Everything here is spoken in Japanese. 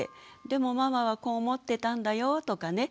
でもママはこう思ってたんだよとかね